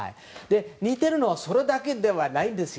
似ているのはそれだけではないんです。